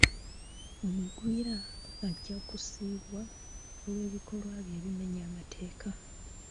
Omugwira ajja kusibwa olw'ebikolwa bye ebimenya amateeka.